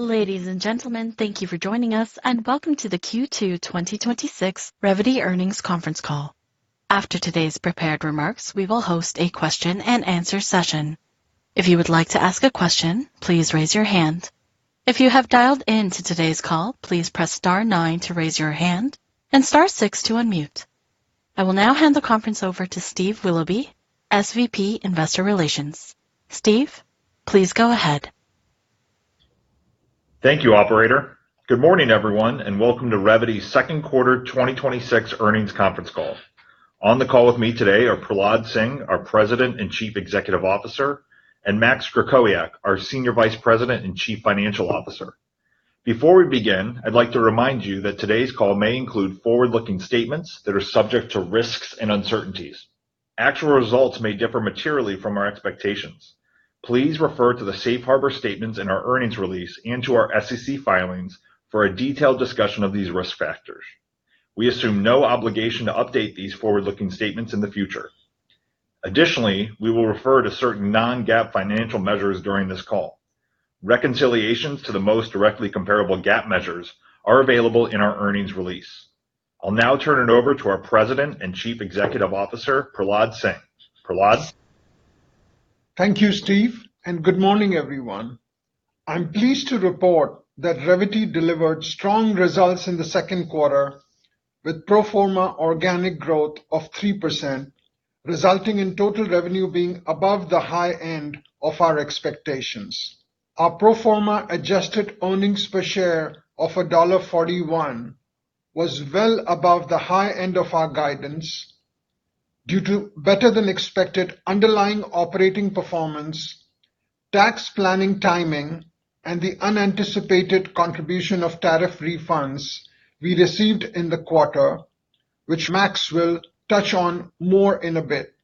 Ladies and gentlemen, thank you for joining us and welcome to the Q2 2026 Revvity Earnings Conference Call. After today's prepared remarks, we will host a question and answer session. If you would like to ask a question, please raise your hand. If you have dialed in to today's call, please press star nine to raise your hand and star six to unmute. I will now hand the conference over to Steve Willoughby, SVP Investor Relations. Steve, please go ahead. Thank you, operator. Good morning, everyone, and welcome to Revvity's Second Quarter 2026 earnings conference call. On the call with me today are Prahlad Singh, our President and Chief Executive Officer, and Max Krakowiak, our Senior Vice President and Chief Financial Officer. Before we begin, I'd like to remind you that today's call may include forward-looking statements that are subject to risks and uncertainties. Actual results may differ materially from our expectations. Please refer to the safe harbor statements in our earnings release and to our SEC filings for a detailed discussion of these risk factors. We assume no obligation to update these forward-looking statements in the future. Additionally, we will refer to certain non-GAAP financial measures during this call. Reconciliations to the most directly comparable GAAP measures are available in our earnings release. I'll now turn it over to our President and Chief Executive Officer, Prahlad Singh. Prahlad? Thank you, Steve, and good morning, everyone. I'm pleased to report that Revvity delivered strong results in the second quarter with pro forma organic growth of 3%, resulting in total revenue being above the high end of our expectations. Our pro forma adjusted earnings per share of $1.41 was well above the high end of our guidance due to better than expected underlying operating performance, tax planning timing, and the unanticipated contribution of tariff refunds we received in the quarter, which Max will touch on more in a bit.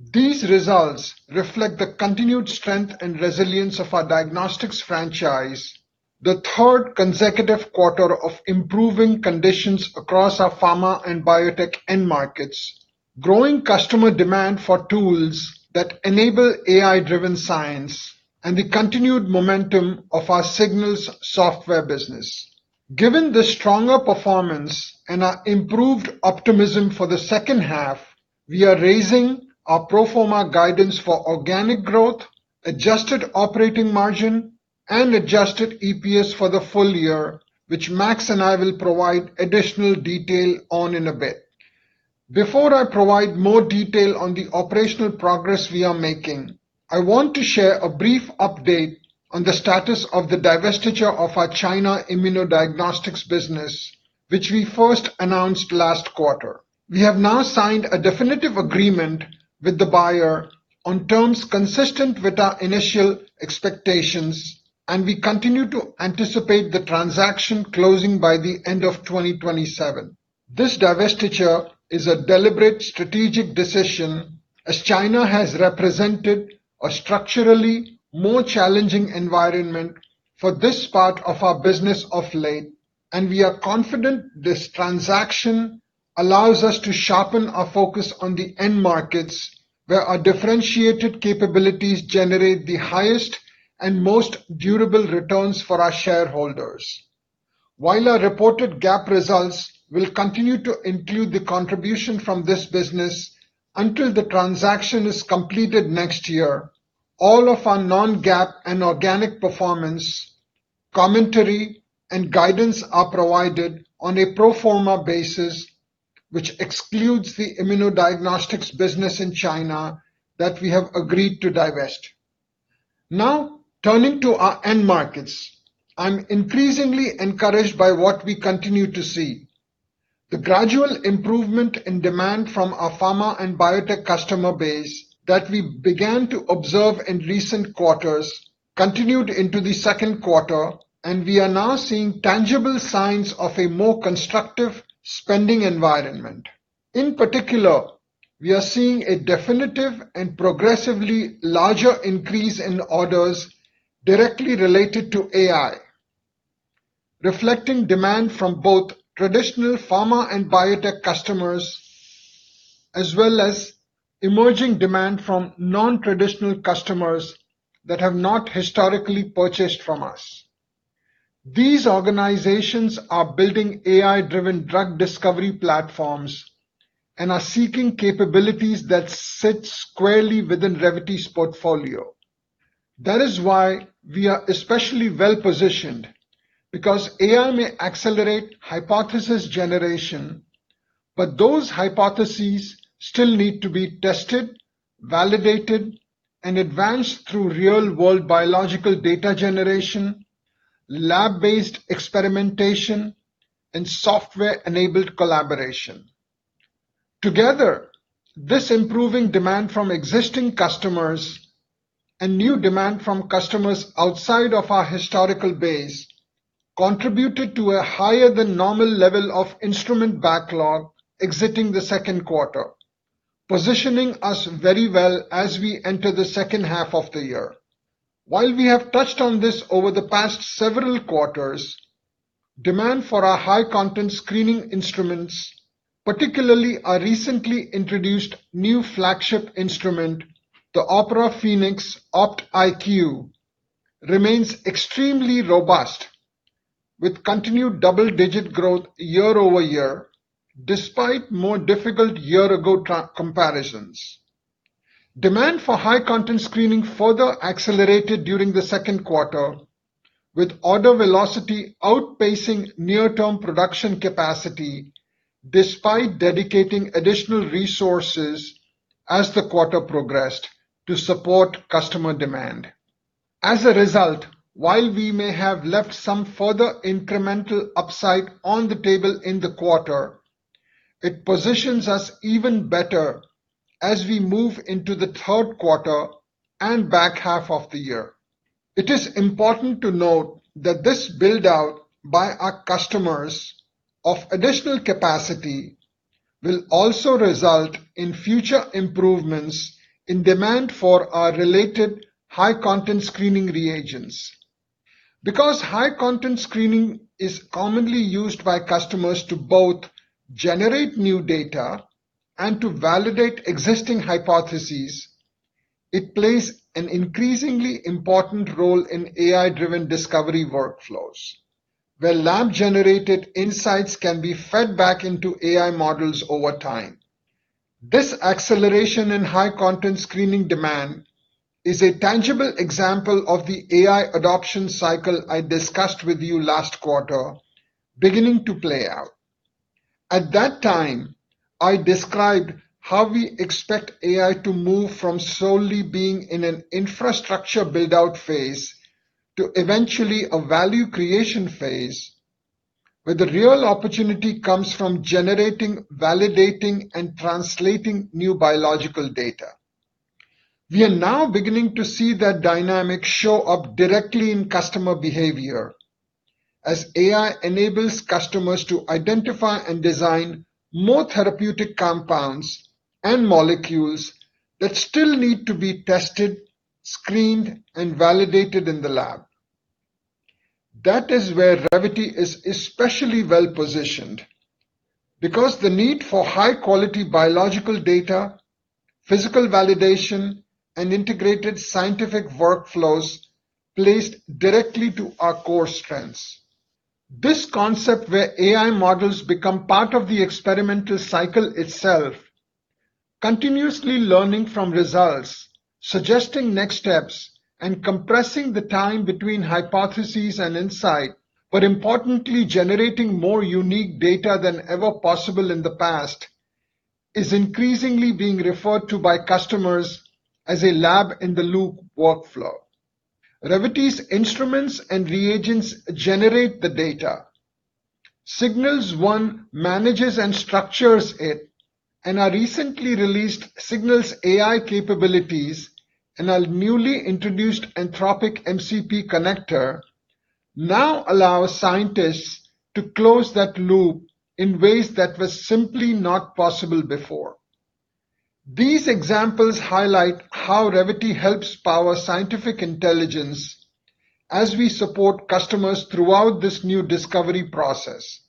These results reflect the continued strength and resilience of our diagnostics franchise, the third consecutive quarter of improving conditions across our pharma and biotech end markets, growing customer demand for tools that enable AI-driven science, and the continued momentum of our Signals software business. Given the stronger performance and our improved optimism for the second half, we are raising our pro forma guidance for organic growth, adjusted operating margin, and adjusted EPS for the full year, which Max and I will provide additional detail on in a bit. Before I provide more detail on the operational progress we are making, I want to share a brief update on the status of the divestiture of our China Immunodiagnostics business, which we first announced last quarter. We have now signed a definitive agreement with the buyer on terms consistent with our initial expectations, and we continue to anticipate the transaction closing by the end of 2027. This divestiture is a deliberate strategic decision as China has represented a structurally more challenging environment for this part of our business of late, and we are confident this transaction allows us to sharpen our focus on the end markets, where our differentiated capabilities generate the highest and most durable returns for our shareholders. While our reported GAAP results will continue to include the contribution from this business until the transaction is completed next year, all of our non-GAAP and organic performance commentary and guidance are provided on a pro forma basis, which excludes the Immunodiagnostics business in China that we have agreed to divest. Turning to our end markets. I'm increasingly encouraged by what we continue to see. The gradual improvement in demand from our pharma and biotech customer base that we began to observe in recent quarters continued into the second quarter, we are now seeing tangible signs of a more constructive spending environment. In particular, we are seeing a definitive and progressively larger increase in orders directly related to AI, reflecting demand from both traditional pharma and biotech customers, as well as emerging demand from non-traditional customers that have not historically purchased from us. These organizations are building AI-driven drug discovery platforms and are seeking capabilities that sit squarely within Revvity's portfolio. That is why we are especially well-positioned because AI may accelerate hypothesis generation, but those hypotheses still need to be tested, validated, and advanced through real-world biological data generation, lab-based experimentation, and software-enabled collaboration. Together, this improving demand from existing customers and new demand from customers outside of our historical base contributed to a higher than normal level of instrument backlog exiting the second quarter, positioning us very well as we enter the second half of the year. While we have touched on this over the past several quarters, demand for our high-content screening instruments, particularly our recently introduced new flagship instrument, the Opera Phenix OptIQ, remains extremely robust, with continued double digit growth year-over-year, despite more difficult year-ago track comparisons. Demand for high-content screening further accelerated during the second quarter, with order velocity outpacing near-term production capacity, despite dedicating additional resources as the quarter progressed to support customer demand. As a result, while we may have left some further incremental upside on the table in the quarter, it positions us even better as we move into the third quarter and back half of the year. It is important to note that this build-out by our customers of additional capacity will also result in future improvements in demand for our related high-content screening reagents. Because high-content screening is commonly used by customers to both generate new data and to validate existing hypotheses, it plays an increasingly important role in AI-driven discovery workflows, where lab-generated insights can be fed back into AI models over time. This acceleration in high-content screening demand is a tangible example of the AI adoption cycle I discussed with you last quarter beginning to play out. At that time, I described how we expect AI to move from solely being in an infrastructure build-out phase to eventually a value creation phase, where the real opportunity comes from generating, validating, and translating new biological data. We are now beginning to see that dynamic show up directly in customer behavior as AI enables customers to identify and design more therapeutic compounds and molecules that still need to be tested, screened, and validated in the lab. That is where Revvity is especially well-positioned, because the need for high-quality biological data, physical validation, and integrated scientific workflows plays directly to our core strengths. This concept where AI models become part of the experimental cycle itself, continuously learning from results, suggesting next steps, and compressing the time between hypotheses and insight, but importantly, generating more unique data than ever possible in the past, is increasingly being referred to by customers as a lab-in-the-loop workflow. Revvity's instruments and reagents generate the data. Our recently released Signals AI capabilities and our newly introduced Anthropic MCP connector now allow scientists to close that loop in ways that were simply not possible before. These examples highlight how Revvity helps power scientific intelligence as we support customers throughout this new discovery process,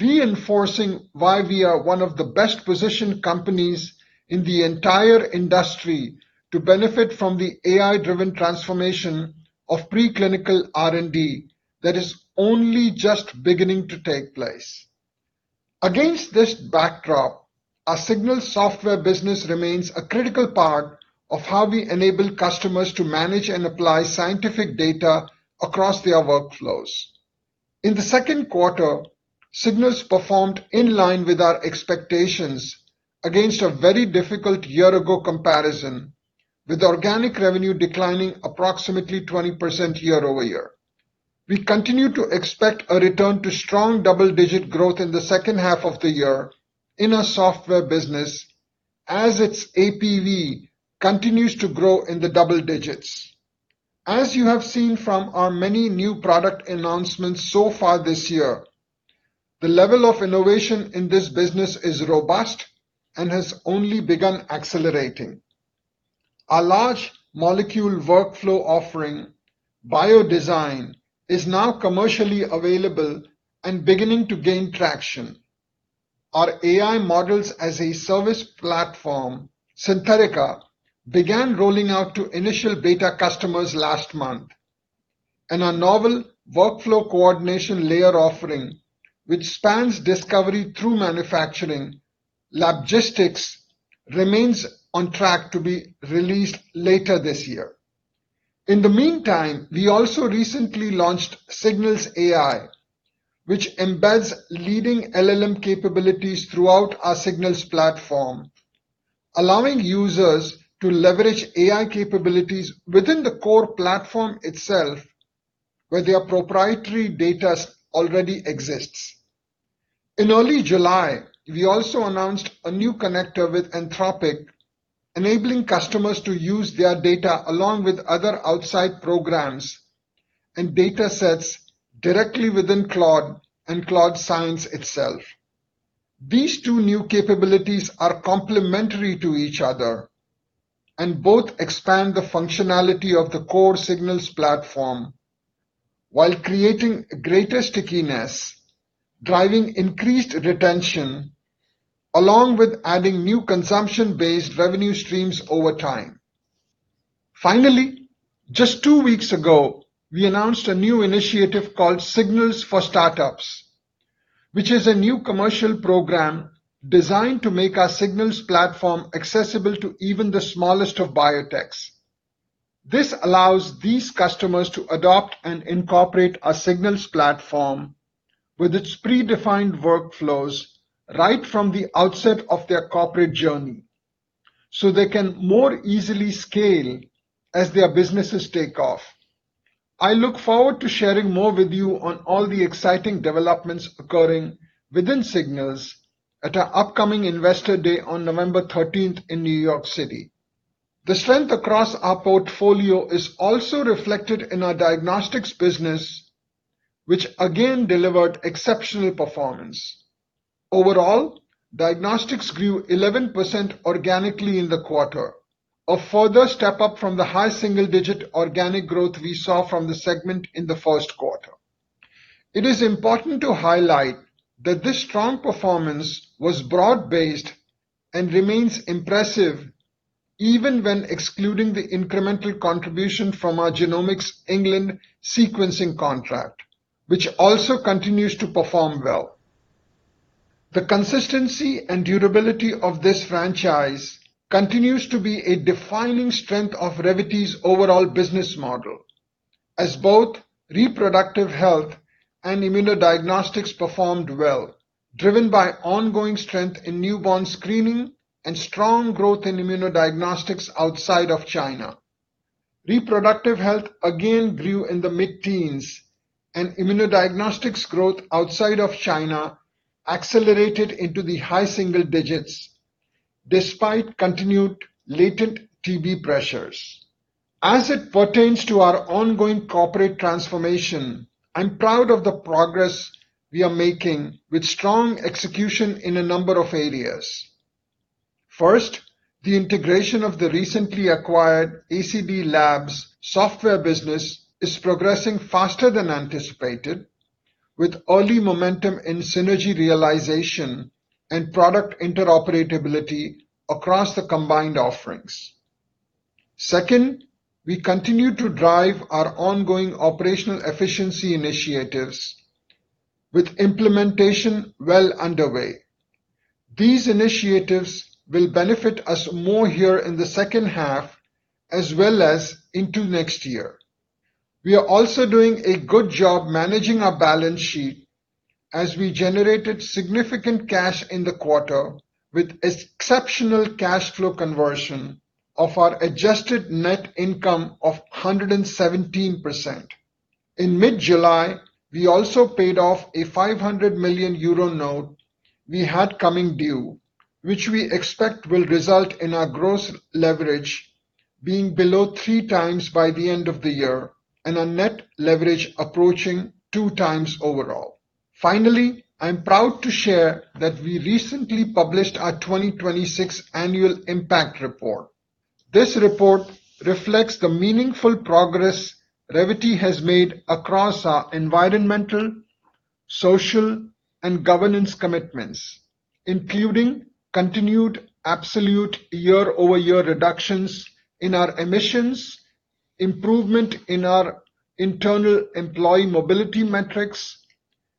reinforcing why we are one of the best-positioned companies in the entire industry to benefit from the AI-driven transformation of preclinical R&D that is only just beginning to take place. Against this backdrop, our Signals software business remains a critical part of how we enable customers to manage and apply scientific data across their workflows. In the second quarter, Signals performed in line with our expectations against a very difficult year-ago comparison, with organic revenue declining approximately 20% year-over-year. We continue to expect a return to strong double digit growth in the second half of the year in our software business as its APV continues to grow in the double digits. You have seen from our many new product announcements so far this year, the level of innovation in this business is robust and has only begun accelerating. Our large molecule workflow offering, BioDesign, is now commercially available and beginning to gain traction. Our AI models as a service platform, Xynthetica, began rolling out to initial beta customers last month. Our novel workflow coordination layer offering, which spans discovery through manufacturing, LabGistics, remains on track to be released later this year. In the meantime, we also recently launched Signals AI, which embeds leading LLM capabilities throughout our Signals platform, allowing users to leverage AI capabilities within the core platform itself, where their proprietary data already exists. In early July, we also announced a new connector with Anthropic, enabling customers to use their data along with other outside programs and datasets directly within Claude and Claude Science itself. These two new capabilities are complementary to each other and both expand the functionality of the core Signals platform while creating greater stickiness, driving increased retention, along with adding new consumption-based revenue streams over time. Finally, just two weeks ago, we announced a new initiative called Signals for Startups, which is a new commercial program designed to make our Signals platform accessible to even the smallest of biotechs. This allows these customers to adopt and incorporate our Signals platform with its predefined workflows right from the outset of their corporate journey, so they can more easily scale as their businesses take off. I look forward to sharing more with you on all the exciting developments occurring within Signals at our upcoming Investor Day on November 13th in New York City. The strength across our portfolio is also reflected in our diagnostics business, which again delivered exceptional performance. Overall, diagnostics grew 11% organically in the quarter, a further step-up from the high-single digit organic growth we saw from the segment in the first quarter. It is important to highlight that this strong performance was broad-based and remains impressive even when excluding the incremental contribution from our Genomics England sequencing contract, which also continues to perform well. The consistency and durability of this franchise continues to be a defining strength of Revvity's overall business model as both Reproductive Health and Immunodiagnostics performed well, driven by ongoing strength in Newborn Screening and strong growth in Immunodiagnostics outside of China. Reproductive Health again grew in the mid-teens, and Immunodiagnostics growth outside of China accelerated into the high-single digits despite continued latent TB pressures. As it pertains to our ongoing corporate transformation, I'm proud of the progress we are making with strong execution in a number of areas. First, the integration of the recently acquired ACD/Labs software business is progressing faster than anticipated, with early momentum in synergy realization and product interoperability across the combined offerings. Second, we continue to drive our ongoing operational efficiency initiatives with implementation well underway. These initiatives will benefit us more here in the second half as well as into next year. We are also doing a good job managing our balance sheet as we generated significant cash in the quarter with exceptional cash flow conversion of our adjusted net income of 117%. In mid-July, we also paid off a 500 million euro note we had coming due, which we expect will result in our gross leverage being below 3x by the end of the year and our net leverage approaching 2x overall. Finally, I'm proud to share that we recently published our 2026 Annual Impact Report. This report reflects the meaningful progress Revvity has made across our environmental, social, and governance commitments, including continued absolute year-over-year reductions in our emissions, improvement in our internal employee mobility metrics,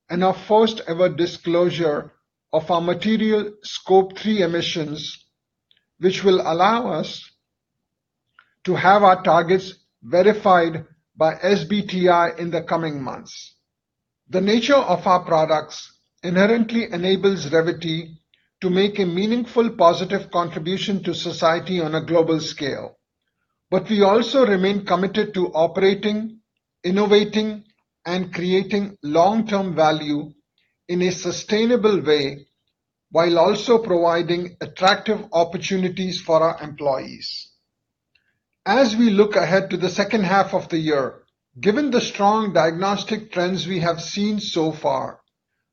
and our first-ever disclosure of our material Scope 3 emissions, which will allow us to have our targets verified by SBTi in the coming months. The nature of our products inherently enables Revvity to make a meaningful, positive contribution to society on a global scale. We also remain committed to operating, innovating, and creating long-term value in a sustainable way while also providing attractive opportunities for our employees. As we look ahead to the second half of the year, given the strong diagnostic trends we have seen so far,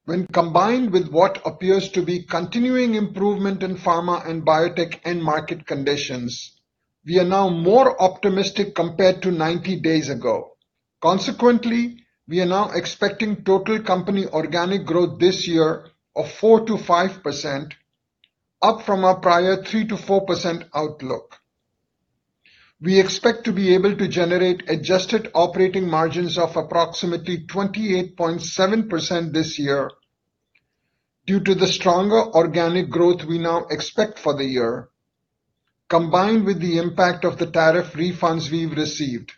when combined with what appears to be continuing improvement in pharma and biotech end market conditions, we are now more optimistic compared to 90 days ago. Consequently, we are now expecting total company organic growth this year of 4%-5%, up from our prior 3%-4% outlook. We expect to be able to generate adjusted operating margins of approximately 28.7% this year due to the stronger organic growth we now expect for the year, combined with the impact of the tariff refunds we've received,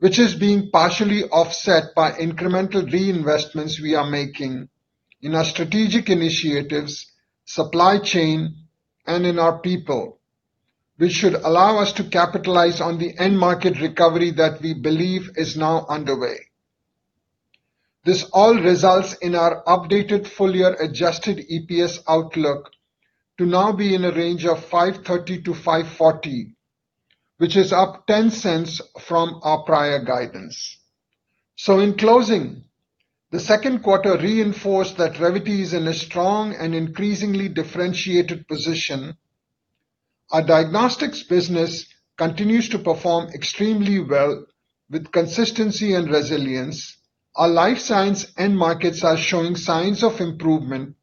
which is being partially offset by incremental reinvestments we are making in our strategic initiatives, supply chain, and in our people, which should allow us to capitalize on the end market recovery that we believe is now underway. This all results in our updated full-year adjusted EPS outlook to now be in a range of $5.30-$5.40, which is up $0.10 from our prior guidance. In closing, the second quarter reinforced that Revvity is in a strong and increasingly differentiated position. Our diagnostics business continues to perform extremely well with consistency and resilience. Our Life Sciences end markets are showing signs of improvement,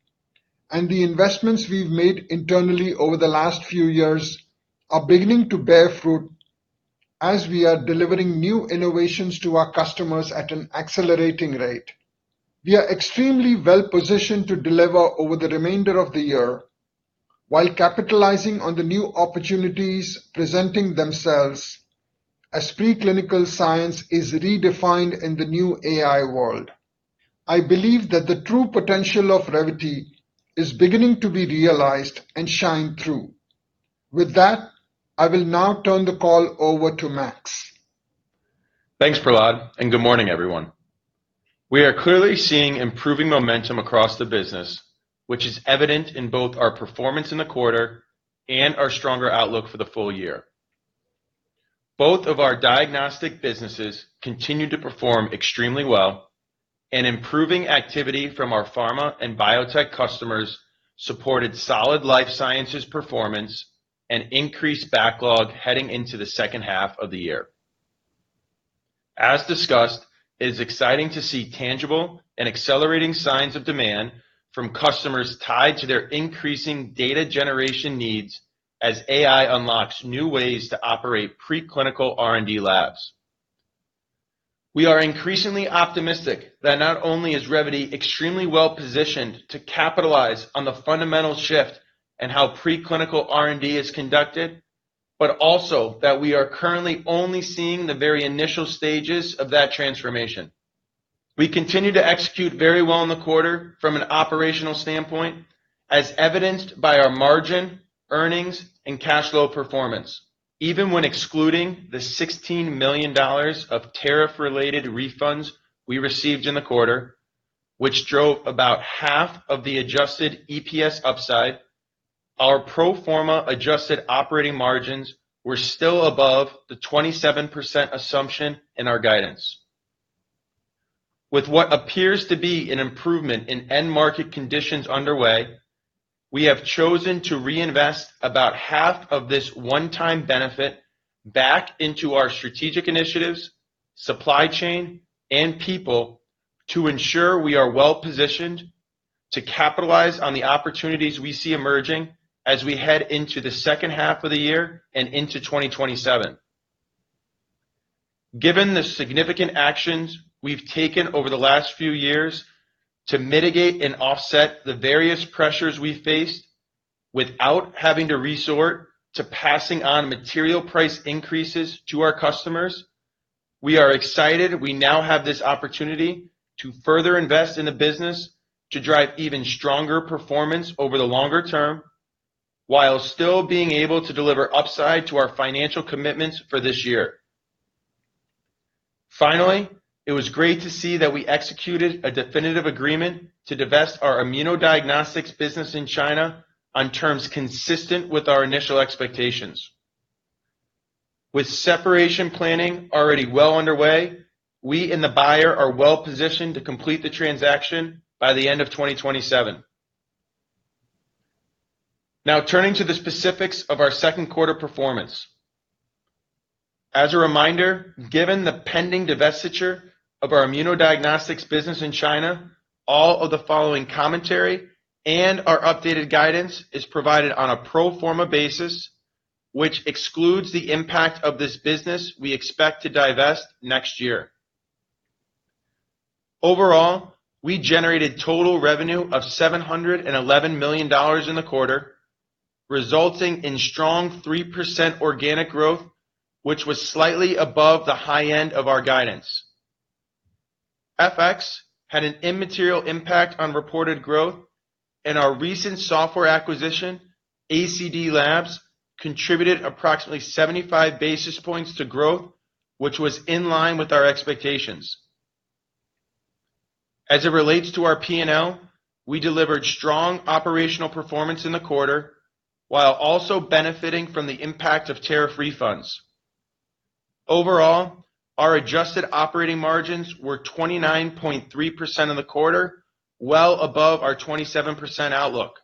the investments we've made internally over the last few years are beginning to bear fruit as we are delivering new innovations to our customers at an accelerating rate. We are extremely well-positioned to deliver over the remainder of the year while capitalizing on the new opportunities presenting themselves as preclinical science is redefined in the new AI world. I believe that the true potential of Revvity is beginning to be realized and shine through. With that, I will now turn the call over to Max. Thanks, Prahlad, good morning, everyone. We are clearly seeing improving momentum across the business, which is evident in both our performance in the quarter and our stronger outlook for the full year. Both of our diagnostic businesses continue to perform extremely well, improving activity from our pharma and biotech customers supported solid Life Sciences performance and increased backlog heading into the second half of the year. As discussed, it is exciting to see tangible and accelerating signs of demand from customers tied to their increasing data generation needs as AI unlocks new ways to operate preclinical R&D labs. We are increasingly optimistic that not only is Revvity extremely well-positioned to capitalize on the fundamental shift in how preclinical R&D is conducted, but also that we are currently only seeing the very initial stages of that transformation. We continue to execute very well in the quarter from an operational standpoint, as evidenced by our margin, earnings, and cash flow performance. Even when excluding the $16 million of tariff-related refunds we received in the quarter, which drove about half of the adjusted EPS upside, our pro forma adjusted operating margins were still above the 27% assumption in our guidance. With what appears to be an improvement in end market conditions underway, we have chosen to reinvest about half of this one-time benefit back into our strategic initiatives, supply chain, and people to ensure we are well-positioned to capitalize on the opportunities we see emerging as we head into the second half of the year and into 2027. Given the significant actions we've taken over the last few years to mitigate and offset the various pressures we faced without having to resort to passing on material price increases to our customers, we are excited we now have this opportunity to further invest in the business to drive even stronger performance over the longer term while still being able to deliver upside to our financial commitments for this year. Finally, it was great to see that we executed a definitive agreement to divest our Immunodiagnostics business in China on terms consistent with our initial expectations. With separation planning already well underway, we and the buyer are well-positioned to complete the transaction by the end of 2027. Turning to the specifics of our second quarter performance. As a reminder, given the pending divestiture of our Immunodiagnostics business in China, all of the following commentary and our updated guidance is provided on a pro forma basis, which excludes the impact of this business we expect to divest next year. Overall, we generated total revenue of $711 million in the quarter, resulting in strong 3% organic growth, which was slightly above the high end of our guidance. FX had an immaterial impact on reported growth, and our recent software acquisition, ACD/Labs, contributed approximately 75 basis points to growth, which was in line with our expectations. As it relates to our P&L, we delivered strong operational performance in the quarter while also benefiting from the impact of tariff refunds. Overall, our adjusted operating margins were 29.3% in the quarter, well above our 27% outlook.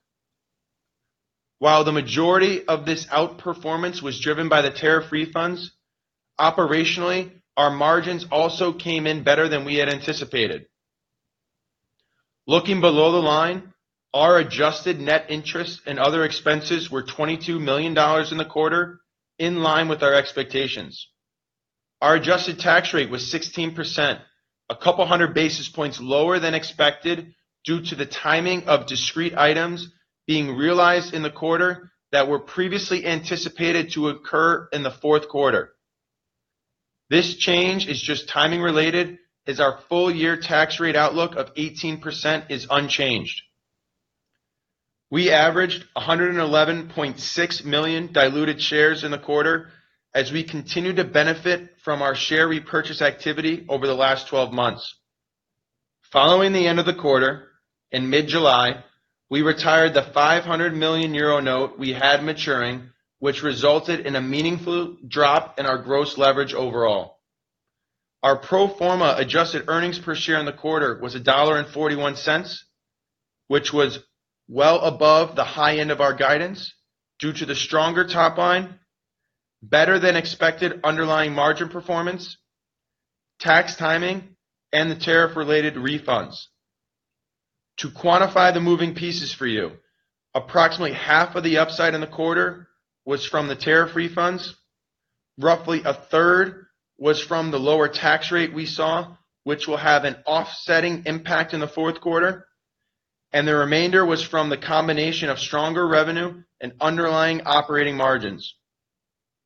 While the majority of this outperformance was driven by the tariff refunds, operationally, our margins also came in better than we had anticipated. Looking below the line, our adjusted net interest and other expenses were $22 million in the quarter, in line with our expectations. Our adjusted tax rate was 16%, a couple of hundred basis points lower than expected due to the timing of discrete items being realized in the quarter that were previously anticipated to occur in the fourth quarter. This change is just timing related, as our full-year tax rate outlook of 18% is unchanged. We averaged 111.6 million diluted shares in the quarter as we continue to benefit from our share repurchase activity over the last 12 months. Following the end of the quarter in mid-July, we retired the 500 million euro note we had maturing, which resulted in a meaningful drop in our gross leverage overall. Our pro forma adjusted earnings per share in the quarter was $1.41, which was well above the high end of our guidance due to the stronger top line, better than expected underlying margin performance, tax timing, and the tariff-related refunds. To quantify the moving pieces for you, approximately half of the upside in the quarter was from the tariff refunds. Roughly 1/3 was from the lower tax rate we saw, which will have an offsetting impact in the fourth quarter. The remainder was from the combination of stronger revenue and underlying operating margins.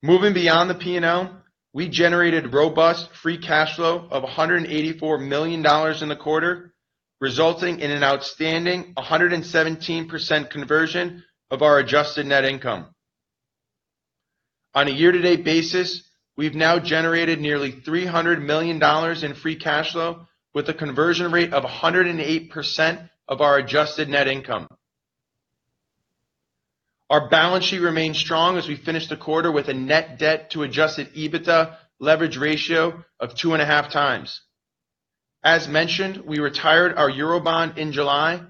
Moving beyond the P&L, we generated robust free cash flow of $184 million in the quarter, resulting in an outstanding 117% conversion of our adjusted net income. On a year-to-date basis, we've now generated nearly $300 million in free cash flow with a conversion rate of 108% of our adjusted net income. Our balance sheet remains strong as we finish the quarter with a net debt to adjusted EBITDA leverage ratio of 2.5x. As mentioned, we retired our Eurobond in July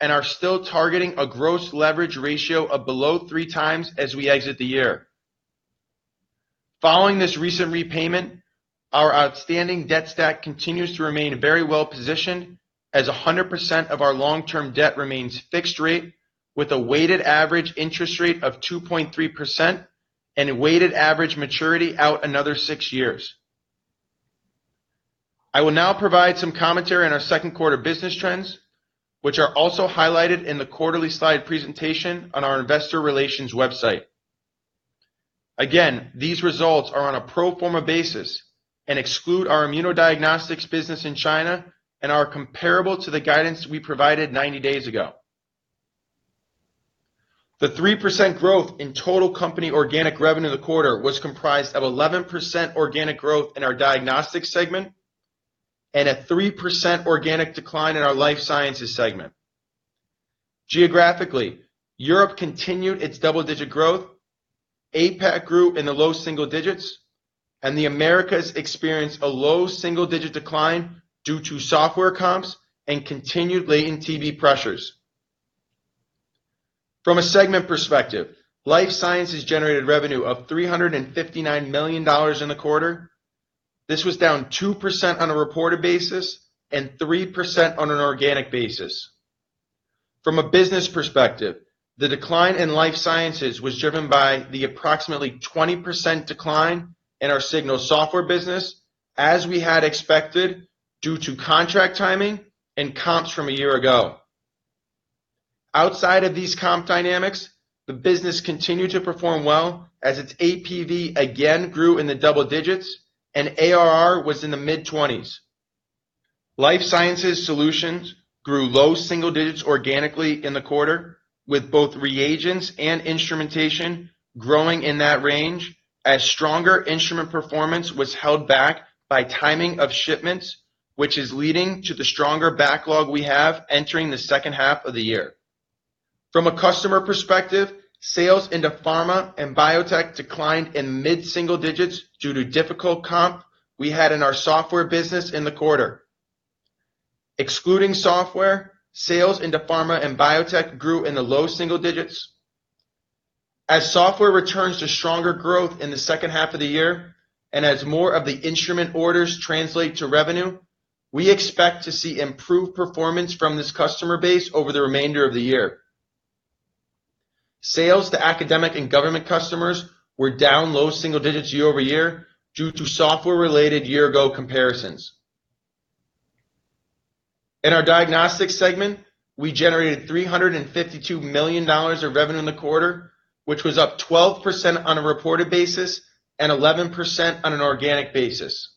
and are still targeting a gross leverage ratio of below 3x as we exit the year. Following this recent repayment, our outstanding debt stack continues to remain very well-positioned as 100% of our long-term debt remains fixed rate with a weighted average interest rate of 2.3% and a weighted average maturity out another six years. I will now provide some commentary on our second quarter business trends, which are also highlighted in the quarterly slide presentation on our Investor Relations website. These results are on a pro forma basis and exclude our Immunodiagnostics business in China and are comparable to the guidance we provided 90 days ago. The 3% growth in total company organic revenue in the quarter was comprised of 11% organic growth in our Diagnostics segment and a 3% organic decline in our Life Sciences segment. Geographically, Europe continued its double digit growth, APAC grew in the low-single digits, and the Americas experienced a low-single digit decline due to software comps and continued latent TB pressures. From a segment perspective, Life Sciences generated revenue of $359 million in the quarter. This was down 2% on a reported basis and 3% on an organic basis. From a business perspective, the decline in Life Sciences was driven by the approximately 20% decline in our Signals software business, as we had expected due to contract timing and comps from a year ago. Outside of these comp dynamics, the business continued to perform well as its APV again grew in the double digits and ARR was in the mid-20s. Life Sciences solutions grew low-single digits organically in the quarter with both reagents and instrumentation growing in that range as stronger instrument performance was held back by timing of shipments, which is leading to the stronger backlog we have entering the second half of the year. From a customer perspective, sales into pharma and biotech declined in mid-single digits due to difficult comp we had in our software business in the quarter. Excluding software, sales into pharma and biotech grew in the low-single digits. As software returns to stronger growth in the second half of the year and as more of the instrument orders translate to revenue, we expect to see improved performance from this customer base over the remainder of the year. Sales to academic and government customers were down low-single digits year-over-year due to software-related year ago comparisons. In our Diagnostics segment, we generated $352 million of revenue in the quarter, which was up 12% on a reported basis and 11% on an organic basis.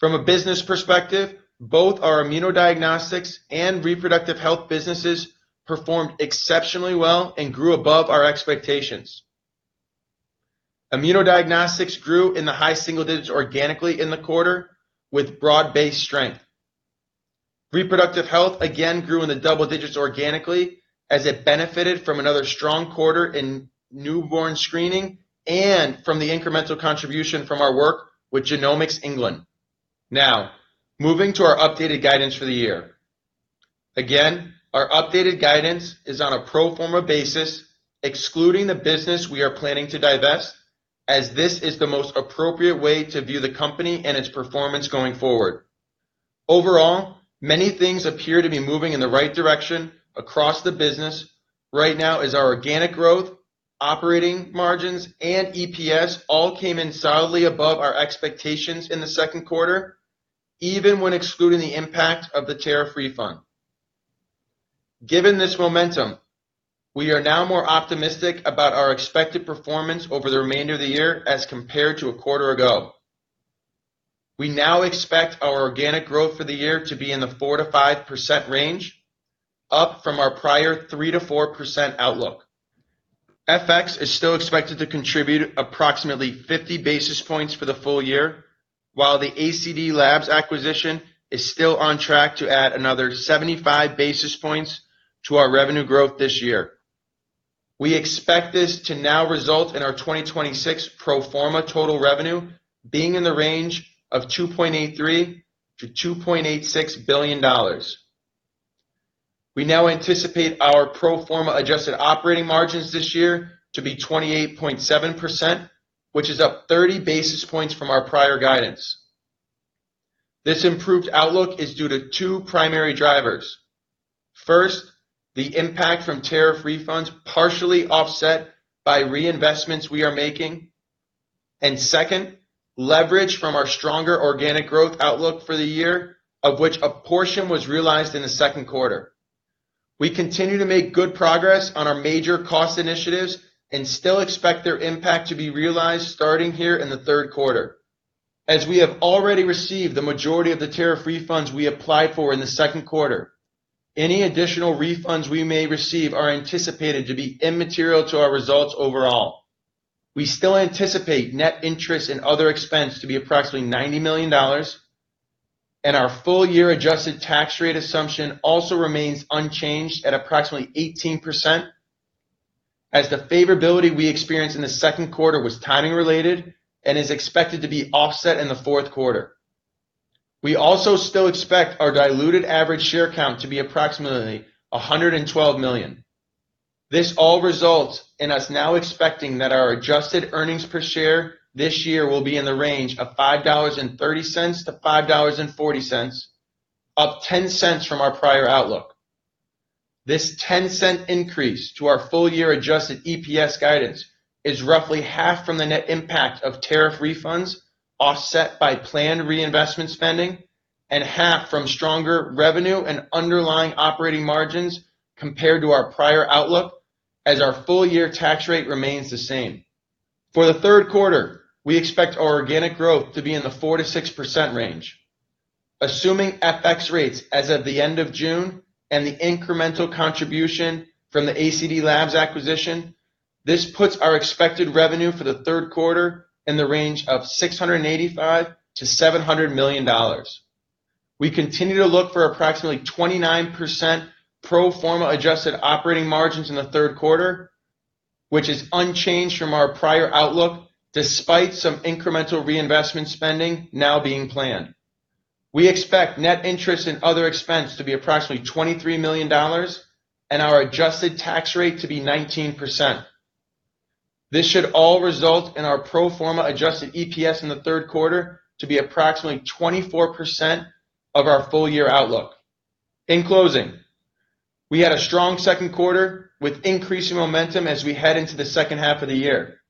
From a business perspective, both our Immunodiagnostics and Reproductive Health businesses performed exceptionally well and grew above our expectations. Immunodiagnostics grew in the high-single digits organically in the quarter with broad-based strength. Reproductive Health again grew in the double digits organically as it benefited from another strong quarter in Newborn Screening and from the incremental contribution from our work with Genomics England. Moving to our updated guidance for the year. Again, our updated guidance is on a pro forma basis, excluding the business we are planning to divest, as this is the most appropriate way to view the company and its performance going forward. Overall, many things appear to be moving in the right direction across the business right now as our organic growth, operating margins, and EPS all came in solidly above our expectations in the second quarter, even when excluding the impact of the tariff refund. Given this momentum, we are now more optimistic about our expected performance over the remainder of the year as compared to a quarter ago. We now expect our organic growth for the year to be in the 4%-5% range, up from our prior 3%-4% outlook. FX is still expected to contribute approximately 50 basis points for the full year, while the ACD/Labs acquisition is still on track to add another 75 basis points to our revenue growth this year. We expect this to now result in our 2026 pro forma total revenue being in the range of $2.83 billion-$2.86 billion. We now anticipate our pro forma adjusted operating margins this year to be 28.7%, which is up 30 basis points from our prior guidance. This improved outlook is due to two primary drivers. First, the impact from tariff refunds partially offset by reinvestments we are making. Second, leverage from our stronger organic growth outlook for the year, of which a portion was realized in the second quarter. We continue to make good progress on our major cost initiatives and still expect their impact to be realized starting here in the third quarter. As we have already received the majority of the tariff refunds we applied for in the second quarter, any additional refunds we may receive are anticipated to be immaterial to our results overall. We still anticipate net interest in other expense to be approximately $90 million, and our full-year adjusted tax rate assumption also remains unchanged at approximately 18%, as the favorability we experienced in the second quarter was timing related and is expected to be offset in the fourth quarter. We also still expect our diluted average share count to be approximately 112 million. This all results in us now expecting that our adjusted earnings per share this year will be in the range of $5.30-$5.40, up $0.10 from our prior outlook. This $0.10 increase to our full-year adjusted EPS guidance is roughly half from the net impact of tariff refunds offset by planned reinvestment spending, and half from stronger revenue and underlying operating margins compared to our prior outlook as our full-year tax rate remains the same. For the third quarter, we expect our organic growth to be in the 4%-6% range. Assuming FX rates as of the end of June and the incremental contribution from the ACD/Labs acquisition, this puts our expected revenue for the third quarter in the range of $685 million-$700 million. We continue to look for approximately 29% pro forma adjusted operating margins in the third quarter, which is unchanged from our prior outlook, despite some incremental reinvestment spending now being planned. We expect net interest in other expense to be approximately $23 million and our adjusted tax rate to be 19%. This should all result in our pro forma adjusted EPS in the third quarter to be approximately 24% of our full-year outlook. In closing, we had a strong second quarter with increasing momentum as we head into the second half of the year.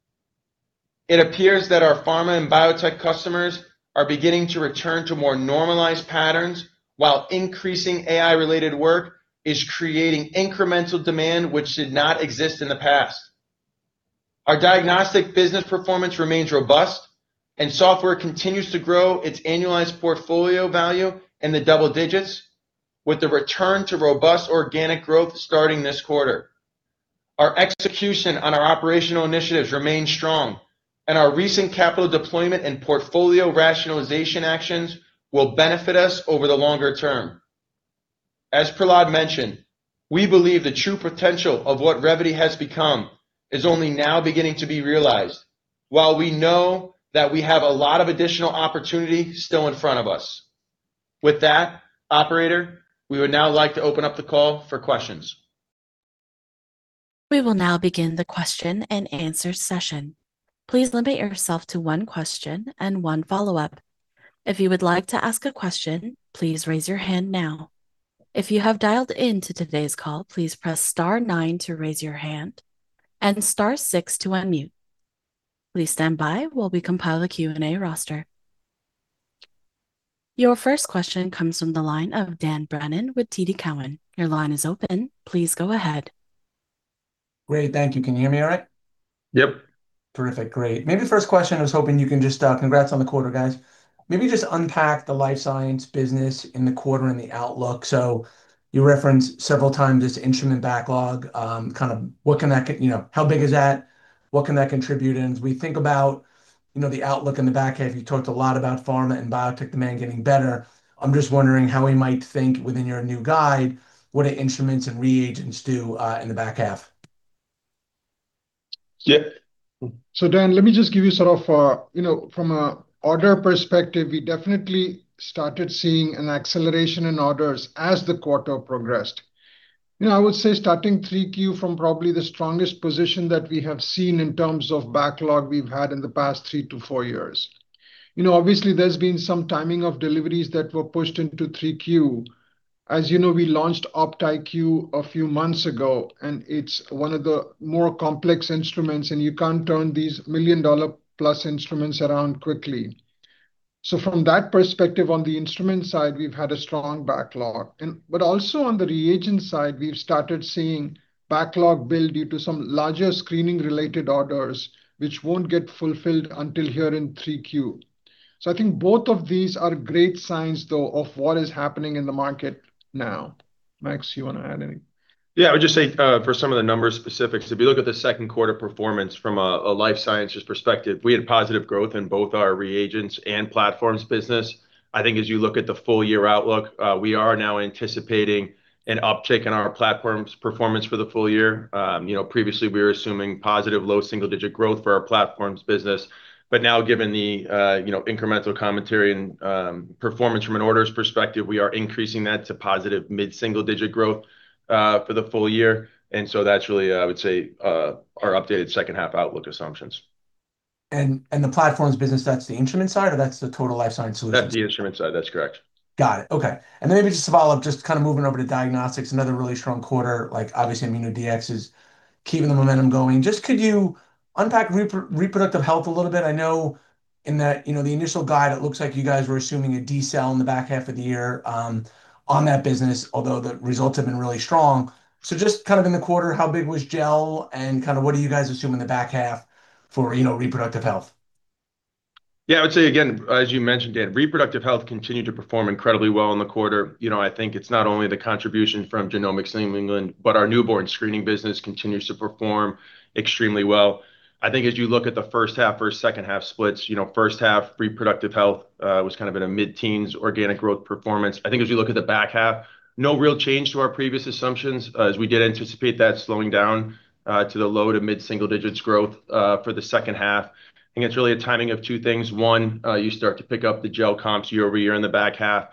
It appears that our pharma and biotech customers are beginning to return to more normalized patterns while increasing AI-related work is creating incremental demand which did not exist in the past. Our Diagnostic business performance remains robust, and software continues to grow its annualized portfolio value in the double digits with the return to robust organic growth starting this quarter. Our execution on our operational initiatives remain strong, and our recent capital deployment and portfolio rationalization actions will benefit us over the longer term. As Prahlad mentioned, we believe the true potential of what Revvity has become is only now beginning to be realized, while we know that we have a lot of additional opportunity still in front of us. With that, operator, we would now like to open up the call for questions. We will now begin the question and answer session. Please limit yourself to one question and one follow-up. If you would like to ask a question, please raise your hand now. If you have dialed in to today's call, please press star nine to raise your hand and star six to unmute. Please stand by while we compile a Q&A roster. Your first question comes from the line of Dan Brennan with TD Cowen. Your line is open. Please go ahead. Great. Thank you. Can you hear me all right? Yep. Terrific. Great. Maybe the first question, I was hoping you can just congrats on the quarter, guys. Maybe just unpack the Life Sciences business in the quarter and the outlook. You referenced several times this instrument backlog, how big is that? What can that contribute in? As we think about the outlook in the back half, you talked a lot about pharma and biotech demand getting better. I'm just wondering how we might think within your new guide? What do instruments and reagents do in the back half? Yeah. Dan, let me just give you sort of a, you know, from a order perspective, we definitely started seeing an acceleration in orders as the quarter progressed. You know, I would say starting 3Q from probably the strongest position that we've had in the past three to four years. You know, obviously, there's been some timing of deliveries that were pushed into 3Q. As you know, we launched OptIQ a few months ago, and it's one of the more complex instruments, and you can't turn these $1 million+ instruments around quickly. From that perspective, on the instrument side, we've had a strong backlog. Also on the reagent side, we've started seeing backlog build due to some larger screening-related orders which won't get fulfilled until here in 3Q. I think both of these are great signs, though, of what is happening in the market now. Max, you want to add anything? Yeah. I would just say, for some of the numbers specifics, if you look at the second quarter performance from a Life Sciences perspective, we had positive growth in both our reagents and platforms business. I think as you look at the full year outlook, we are now anticipating an uptick in our platform's performance for the full year. Previously, we were assuming positive low-single digit growth for our platforms business. Now, given the incremental commentary and performance from an orders perspective, we are increasing that to positive mid-single digit growth for the full year. That's really, I would say, our updated second half outlook assumptions. The platforms business, that's the instrument side? Or that's the total Life Sciences solutions? That's the instrument side. That's correct. Got it. Okay. Maybe just to follow up, just kind of moving over to Diagnostics, another really strong quarter, obviously Immunodiagnostics is keeping the momentum going. Could you unpack Reproductive Health a little bit? I know in the initial guide, it looks like you guys were assuming a decel in the back half of the year on that business, although the results have been really strong. Just kind of in the quarter, how big was GEL, and kind of what do you guys assume in the back half for Reproductive Health? I would say again, as you mentioned, Dan, Reproductive Health continued to perform incredibly well in the quarter. I think it's not only the contribution from Genomics England, but our Newborn Screening business continues to perform extremely well. I think as you look at the first half versus second half splits, first half Reproductive Health was kind of in a mid-teens organic growth performance. I think as you look at the back half, no real change to our previous assumptions as we did anticipate that slowing down to the low- to mid-single digits growth for the second half. I think it's really a timing of two things. One, you start to pick up the GEL comps year-over-year in the back half.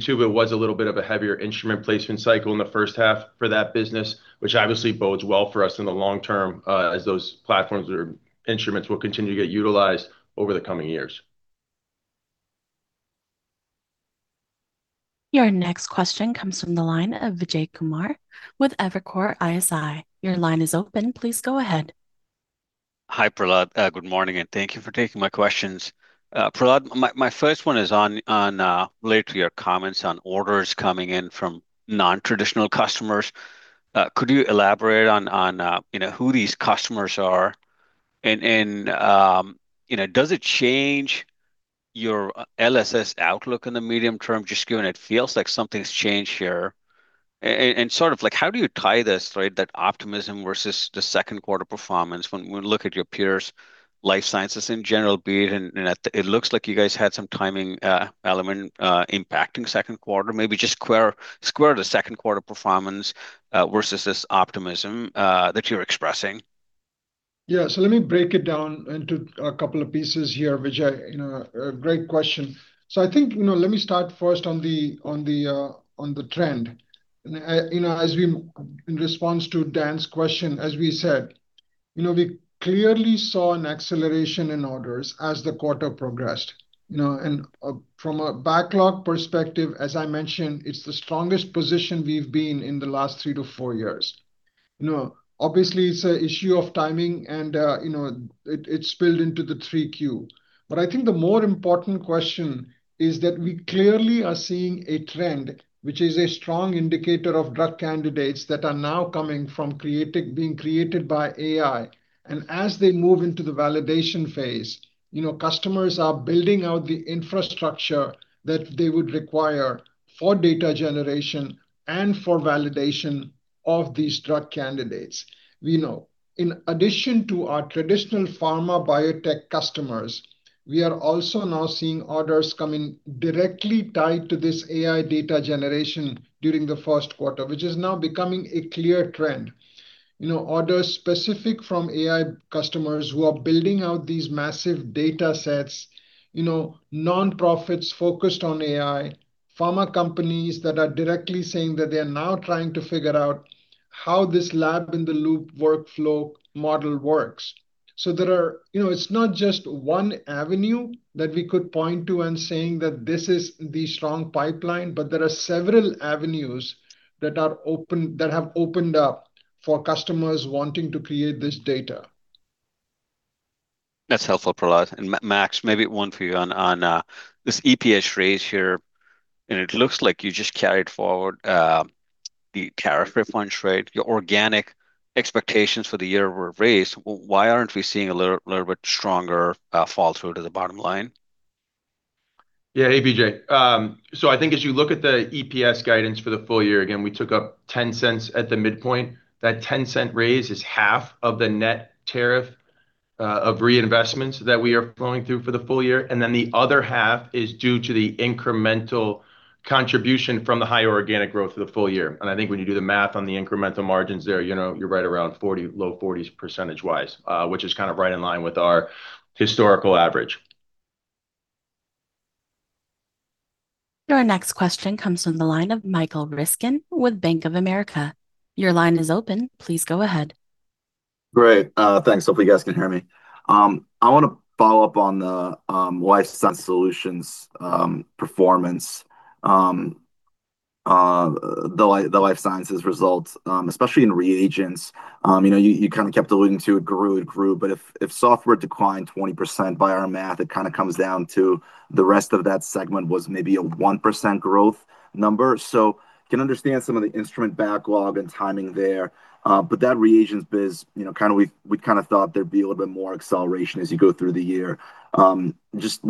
Two, it was a little bit of a heavier instrument placement cycle in the first half for that business, which obviously bodes well for us in the long term, as those platforms or instruments will continue to get utilized over the coming years. Your next question comes from the line of Vijay Kumar with Evercore ISI. Your line is open. Please go ahead. Hi, Prahlad. Good morning. Thank you for taking my questions. Prahlad, my first one is on related to your comments on orders coming in from non-traditional customers. Could you elaborate on who these customers are? Does it change your LSS outlook in the medium term, just given it feels like something's changed here. Sort of like how do you tie this, right? That optimism vs the second quarter performance when we look at your peers, Life Sciences in general, be it looks like you guys had some timing element impacting second quarter. Maybe just square the second quarter performance versus this optimism that you're expressing? Yeah. Let me break it down into a couple of pieces here, Vijay. A great question. I think, let me start first on the trend. In response to Dan's question, as we said, we clearly saw an acceleration in orders as the quarter progressed. From a backlog perspective, as I mentioned, it's the strongest position we've been in the last three to four years. Obviously, it's an issue of timing and it spilled into the 3Q. I think the more important question is that we clearly are seeing a trend, which is a strong indicator of drug candidates that are now coming from being created by AI. As they move into the validation phase, customers are building out the infrastructure that they would require for data generation and for validation of these drug candidates. We know in addition to our traditional pharma biotech customers, we are also now seeing orders coming directly tied to this AI data generation during the first quarter, which is now becoming a clear trend. Orders specific from AI customers who are building out these massive data sets, nonprofits focused on AI, pharma companies that are directly saying that they are now trying to figure out how this lab-in-the-loop workflow model works. It's not just one avenue that we could point to and saying that this is the strong pipeline, but there are several avenues that have opened up for customers wanting to create this data. That's helpful, Prahlad. Max, maybe one for you on this EPS raise here, and it looks like you just carried forward the tariff refunds, right? Your organic expectations for the year were raised. Why aren't we seeing a little bit stronger fall through to the bottom line? Hey, Vijay. I think as you look at the EPS guidance for the full year, again, we took up $0.10 at the midpoint. That $0.10 raise is half of the net tariff, of reinvestments that we are flowing through for the full year. The other half is due to the incremental contribution from the high organic growth of the full year. I think when you do the math on the incremental margins there, you're right around 40%, low 40s percentage-wise, which is kind of right in line with our historical average. Your next question comes from the line of Michael Ryskin with Bank of America. Your line is open. Please go ahead. Great. Thanks. Hopefully, you guys can hear me. I want to follow up on the Life Sciences solutions performance, the Life Sciences results, especially in reagents. If software declined 20%, by our math, it comes down to the rest of that segment was maybe a 1% growth number. Can understand some of the instrument backlog and timing there, that reagents biz, we thought there'd be a little bit more acceleration as you go through the year. Would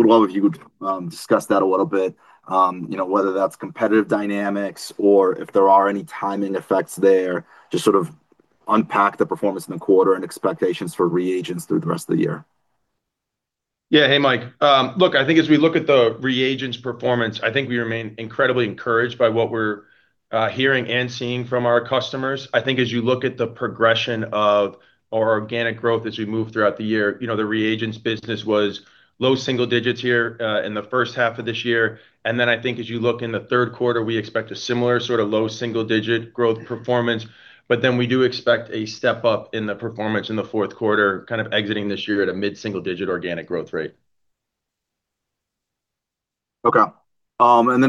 love if you would discuss that a little bit, whether that's competitive dynamics or if there are any timing effects there. Sort of unpack the performance in the quarter and expectations for reagents through the rest of the year. Hey, Mike. Look, as we look at the reagents performance, we remain incredibly encouraged by what we're hearing and seeing from our customers. As you look at the progression of our organic growth as we move throughout the year, the reagents business was low-single digits here, in the first half of this year. As you look in the third quarter, we expect a similar sort of low-single digit growth performance. We do expect a step-up in the performance in the fourth quarter, kind of exiting this year at a mid-single digit organic growth rate. Okay.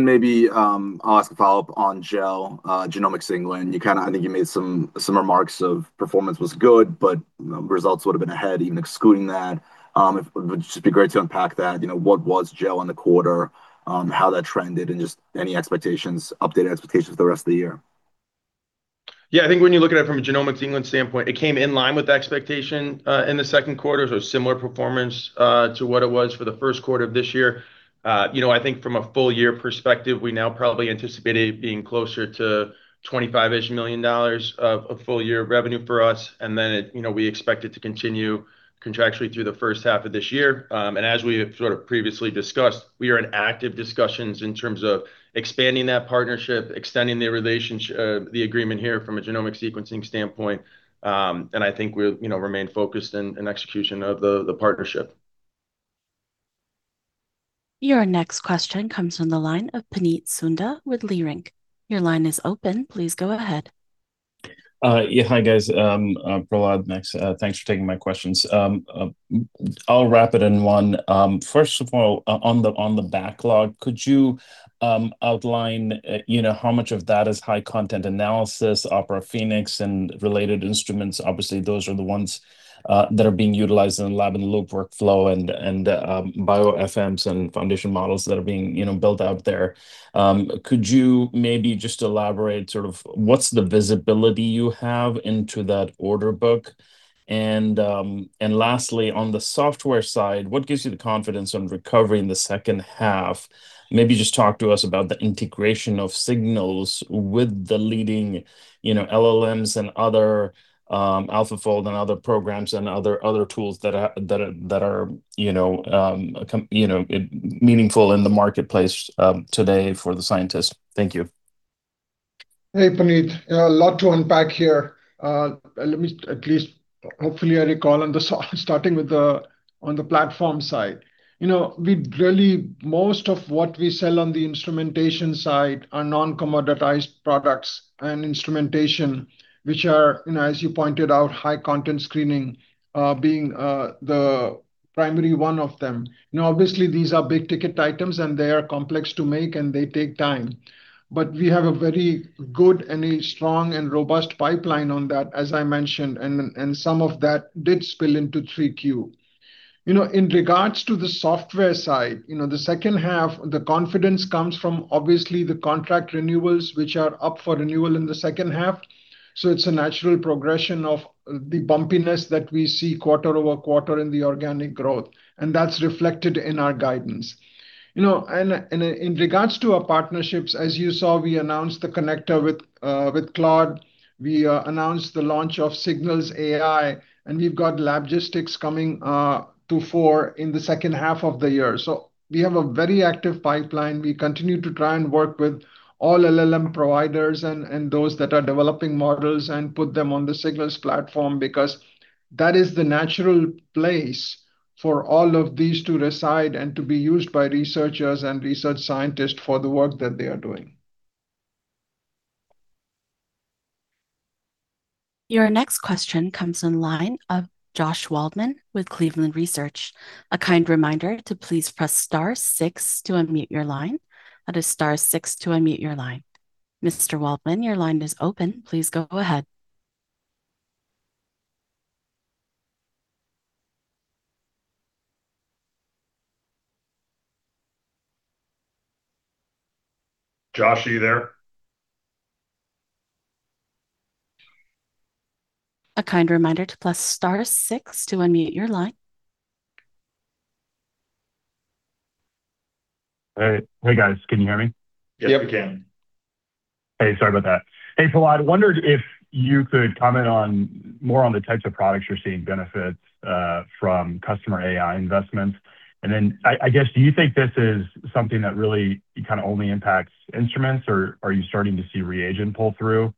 Maybe I'll ask a follow-up on GEL, Genomics England. You made some remarks of performance was good, results would've been ahead even excluding that. It would just be great to unpack that. What was GEL in the quarter, how that trended, and just any expectations, updated expectations for the rest of the year? When you look at it from a Genomics England standpoint, it came in line with expectation, in the second quarter. Similar performance to what it was for the first quarter of this year. From a full year perspective, we now probably anticipate it being closer to $25-ish million of full year revenue for us. We expect it to continue contractually through the first half of this year. As we have sort of previously discussed, we are in active discussions in terms of expanding that partnership, extending the agreement here from a genomic sequencing standpoint. We'll remain focused in execution of the partnership. Your next question comes from the line of Puneet Souda with Leerink. Your line is open. Please go ahead. Yeah. Hi, guys. Prahlad, Max, thanks for taking my questions. I'll wrap it in one. First of all, on the backlog, could you outline how much of that is high content analysis, Opera Phenix, and related instruments? Obviously, those are the ones that are being utilized in lab-in-the-loop workflow and BioFMs and foundation models that are being built out there. Could you maybe just elaborate sort of what's the visibility you have into that order book? Lastly, on the software side, what gives you the confidence on recovery in the second half? Maybe just talk to us about the integration of Signals with the leading LLMs and other AlphaFold and other programs and other tools that are meaningful in the marketplace today for the scientists? Thank you. Hey, Puneet. A lot to unpack here. Let me at least, hopefully I recall on the starting with on the platform side. Most of what we sell on the instrumentation side are non-commoditized products and instrumentation, which are, as you pointed out, high content screening, being the primary one of them. Obviously, these are big-ticket items, and they are complex to make, and they take time. We have a very good and a strong and robust pipeline on that, as I mentioned, and some of that did spill into 3Q. In regards to the software side, the second half, the confidence comes from obviously the contract renewals which are up for renewal in the second half. It's a natural progression of the bumpiness that we see quarter-over-quarter in the organic growth, and that's reflected in our guidance. In regards to our partnerships, as you saw, we announced the connector with Claude. We announced the launch of Signals AI, and we've got Signals LabGistics coming to fore in the second half of the year. We have a very active pipeline. We continue to try and work with all LLM providers and those that are developing models and put them on the Signals platform because that is the natural place for all of these to reside and to be used by researchers and research scientists for the work that they are doing. Your next question comes in line of Josh Waldman with Cleveland Research. A kind reminder to please press star six to unmute your line. That is star six to unmute your line. Mr. Waldman, your line is open. Please go ahead. Josh, are you there? A kind reminder to press star six to unmute your line. Hey, guys. Can you hear me? Yes, we can. Hey, sorry about that. Hey, Prahlad, wondered if you could comment more on the types of products you're seeing benefits from customer AI investments. Do you think this is something that really kind of only impacts instruments? Or are you starting to see reagent pull-through?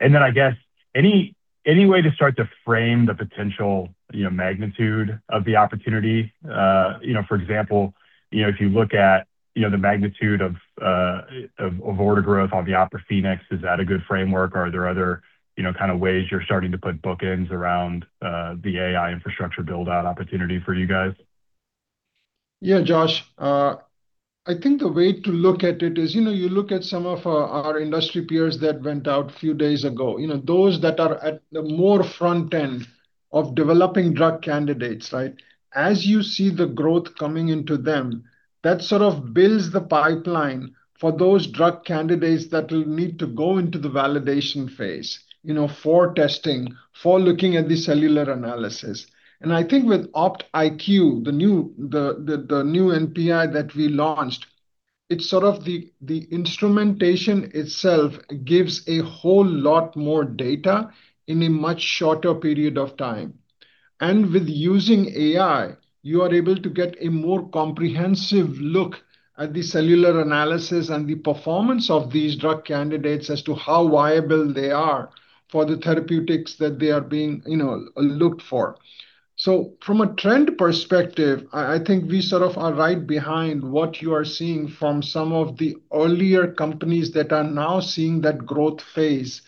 I guess any way to start to frame the potential magnitude of the opportunity? For example, if you look at the magnitude of order growth on the Opera Phenix OptIQ, is that a good framework? Are there other kind of ways you're starting to put bookends around the AI infrastructure build-out opportunity for you guys? Yeah, Josh. I think the way to look at it is you look at some of our industry peers that went out a few days ago, those that are at the more front end of developing drug candidates, right? As you see the growth coming into them, that sort of builds the pipeline for those drug candidates that will need to go into the validation phase for testing, for looking at the cellular analysis. I think with OptIQ, the new NPI that we launched, it's sort of the instrumentation itself gives a whole lot more data in a much shorter period of time. With using AI, you are able to get a more comprehensive look at the cellular analysis and the performance of these drug candidates as to how viable they are for the therapeutics that they are being looked for. From a trend perspective, I think we sort of are right behind what you are seeing from some of the earlier companies that are now seeing that growth phase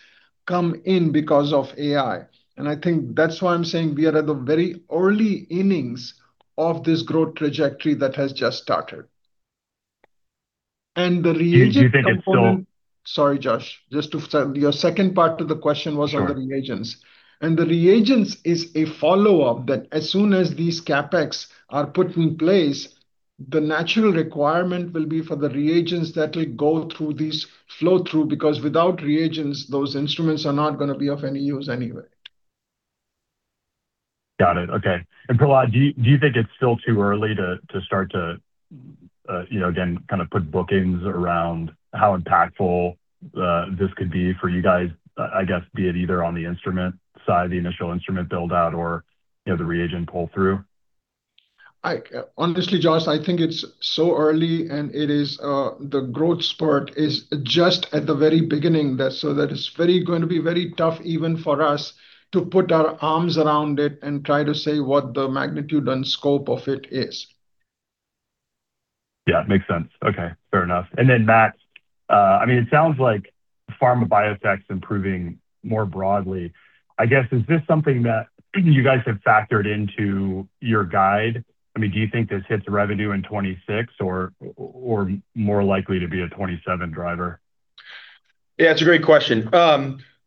come in because of AI. I think that's why I'm saying we are at the very early innings of this growth trajectory that has just started. The reagent component. Do you think it's still- Sorry, Josh. Your second part to the question was on the reagents. The reagents is a follow-up that as soon as these CapEx are put in place, the natural requirement will be for the reagents that will go through this flow-through, because without reagents, those instruments are not going to be of any use anyway. Got it. Okay. Prahlad, do you think it's still too early to start to, again, kind of put bookings around how impactful this could be for you guys? I guess be it either on the instrument side, the initial instrument build-out or the reagent pull-through? Honestly, Josh, I think it's so early and the growth spurt is just at the very beginning, that is going to be very tough even for us to put our arms around it and try to say what the magnitude and scope of it is. Yeah, it makes sense. Okay, fair enough. Max, it sounds like pharma biotech improving more broadly. I guess, is this something that you guys have factored into your guide? Do you think this hits revenue in 2026 or more likely to be a 2027 driver? Yeah, it's a great question.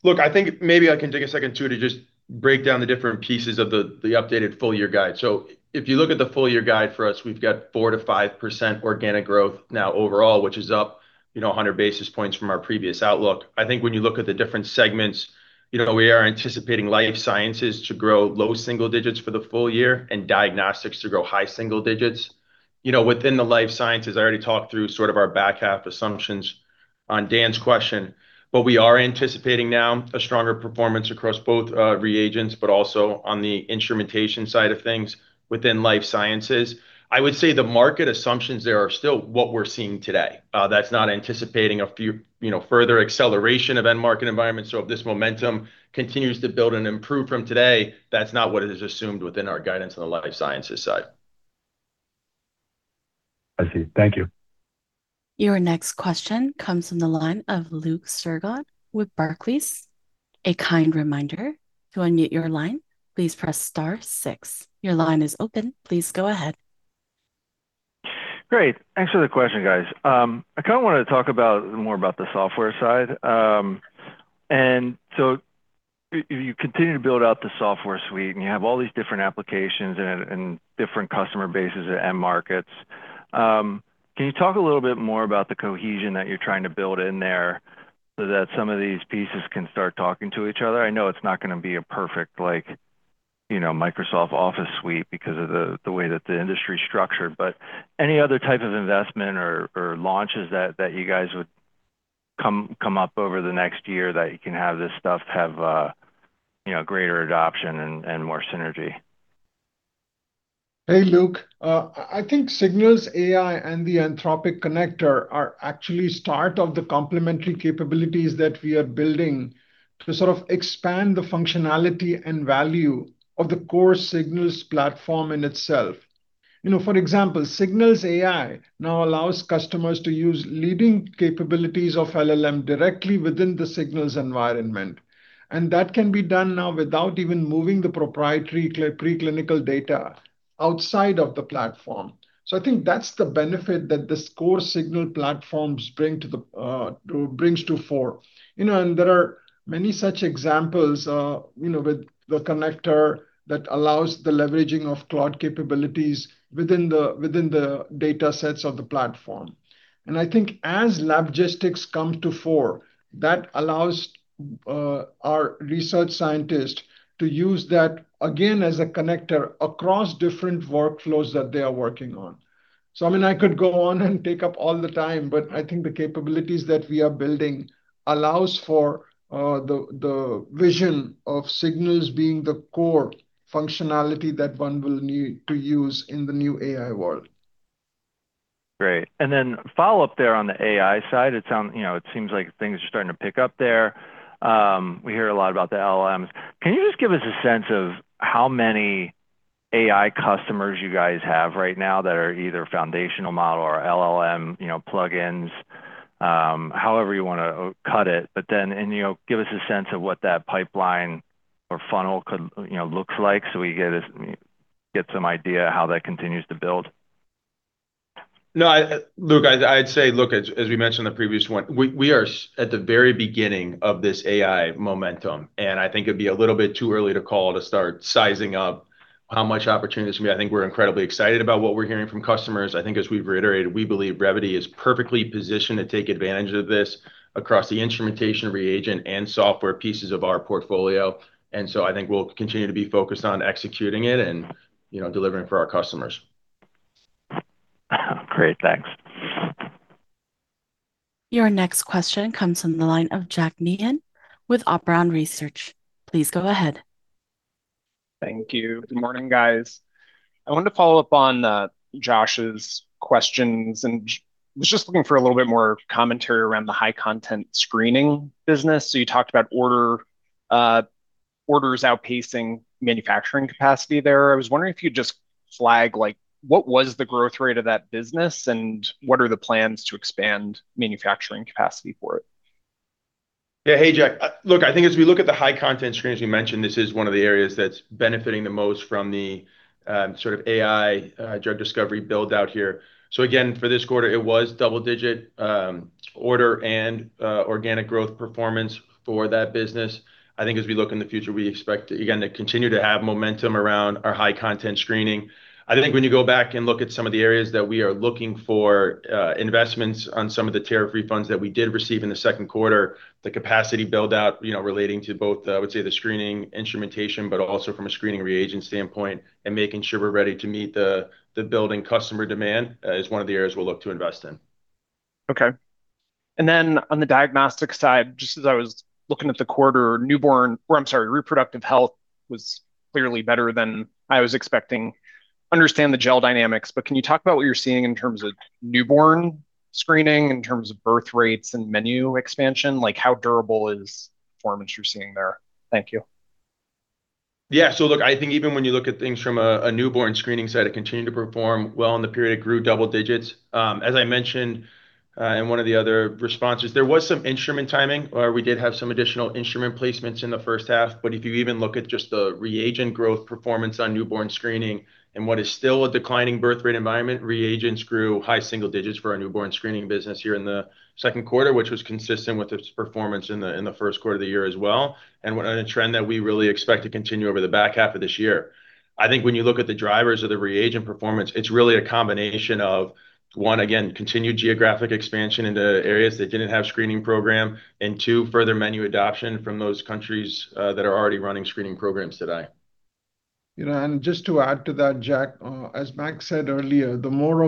Look, I think maybe I can take a second too to just break down the different pieces of the updated full-year guide. If you look at the full-year guide for us, we've got 4%-5% organic growth now overall, which is up 100 basis points from our previous outlook. I think when you look at the different segments, we are anticipating Life Sciences to grow low-single digits for the full year and Diagnostics to grow high-single digits. Within the Life Sciences, I already talked through sort of our back half assumptions on Dan's question. We are anticipating now a stronger performance across both reagents, but also on the instrumentation side of things within Life Sciences. I would say the market assumptions there are still what we're seeing today. That's not anticipating a further acceleration of end market environment. If this momentum continues to build and improve from today, that's not what is assumed within our guidance on the Life Sciences side. I see. Thank you. Your next question comes from the line of Luke Sergott with Barclays. A kind reminder, to unmute your line, please press star six. Your line is open. Please go ahead. Great. Thanks for the question, guys. I kind of wanted to talk more about the software side. You continue to build out the software suite, and you have all these different applications and different customer bases and end markets. Can you talk a little bit more about the cohesion that you're trying to build in there so that some of these pieces can start talking to each other? I know it's not going to be a perfect Microsoft Office suite because of the way that the industry's structured. Any other type of investment or launches that you guys would come up over the next year that you can have this stuff have greater adoption and more synergy? Hey, Luke. I think Signals AI and the Anthropic connector are actually start of the complementary capabilities that we are building to sort of expand the functionality and value of the core Signals platform in itself. For example, Signals AI now allows customers to use leading capabilities of LLM directly within the Signals environment, and that can be done now without even moving the proprietary preclinical data outside of the platform. I think that's the benefit that the core Signals platform brings to fore. There are many such examples with the connector that allows the leveraging of Claude capabilities within the datasets of the platform. I think as LabGistics comes to fore, that allows our research scientist to use that again as a connector across different workflows that they are working on. I could go on and take up all the time, but I think the capabilities that we are building allows for the vision of Signals being the core functionality that one will need to use in the new AI world. Great. Follow-up there on the AI side, it seems like things are starting to pick up there. We hear a lot about the LLMs. Can you just give us a sense of how many AI customers you guys have right now that are either foundational model or LLM plugins? However you want to cut it, but then give us a sense of what that pipeline or funnel looks like so we get some idea how that continues to build? No, Luke, I'd say, look, as we mentioned in the previous one, we are at the very beginning of this AI momentum, and I think it'd be a little bit too early to call to start sizing up how much opportunities from here. I think we're incredibly excited about what we're hearing from customers. I think as we've reiterated, we believe Revvity is perfectly positioned to take advantage of this across the instrumentation, reagent, and software pieces of our portfolio. I think we'll continue to be focused on executing it and delivering for our customers. Great. Thanks. Your next question comes from the line of Jack Meehan with Operon Research. Please go ahead. Thank you. Good morning, guys. I wanted to follow up on Josh's questions and was just looking for a little bit more commentary around the high content screening business. You talked about orders outpacing manufacturing capacity there. I was wondering if you'd just flag, what was the growth rate of that business, and what are the plans to expand manufacturing capacity for it? Yeah. Hey, Jack. Look, I think as we look at the high content screen, as we mentioned, this is one of the areas that's benefiting the most from the AI drug discovery build-out here. Again, for this quarter, it was double digit order and organic growth performance for that business. I think as we look in the future, we expect, again, to continue to have momentum around our high content screening. I think when you go back and look at some of the areas that we are looking for investments on some of the tariff refunds that we did receive in the second quarter, the capacity build-out, relating to both, I would say, the screening instrumentation, but also from a screening reagent standpoint and making sure we're ready to meet the building customer demand, is one of the areas we'll look to invest in. Okay. On the Diagnostic side, just as I was looking at the quarter or I'm sorry, Reproductive Health was clearly better than I was expecting. Understand the GEL dynamics, but can you talk about what you're seeing in terms of Newborn Screening, in terms of birth rates and menu expansion? How durable is the performance you're seeing there? Thank you. Yeah. Look, I think even when you look at things from a Newborn Screening side, it continued to perform well in the period. It grew double digits. As I mentioned in one of the other responses, there was some instrument timing, or we did have some additional instrument placements in the first half. If you even look at just the reagent growth performance on Newborn Screening and what is still a declining birth rate environment, reagents grew high-single digits for our Newborn Screening business here in the second quarter, which was consistent with its performance in the first quarter of the year as well, and on a trend that we really expect to continue over the back half of this year. I think when you look at the drivers of the reagent performance, it's really a combination of, one, again, continued geographic expansion into areas that didn't have screening program, and two, further menu adoption from those countries that are already running screening programs today. Just to add to that, Jack, as Max said earlier, the more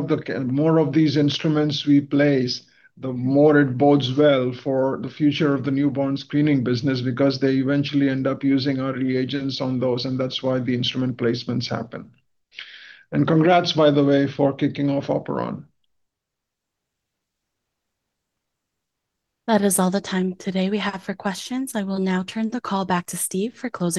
of these instruments we place, the more it bodes well for the future of the Newborn Screening business because they eventually end up using our reagents on those, and that's why the instrument placements happen. Congrats, by the way, for kicking off Operon. That is all the time today we have for questions. I will now turn the call back to Steve for closing remarks.